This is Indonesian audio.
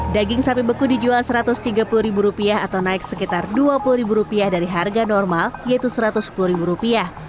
daging sapi beku dijual rp satu ratus tiga puluh atau naik sekitar rp dua puluh dari harga normal yaitu rp satu ratus sepuluh